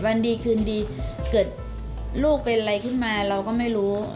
วันดีคืนดีเกิดลูกเป็นอะไรขึ้นมาเราก็ไม่รู้